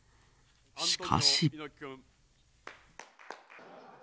しかし。